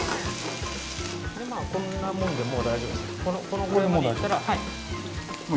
こんなものでもう大丈夫です。